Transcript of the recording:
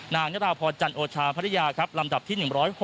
นางนิราพอร์จรรย์โอชาพระริยาครับลำดับที่๑๖๒